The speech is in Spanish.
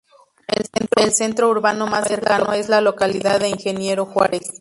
El centro urbano más cercano es la localidad de Ingeniero Juárez.